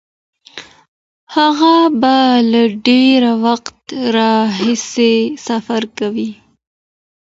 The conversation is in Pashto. هغه به له ډیر وخت راهیسې سفر کوي.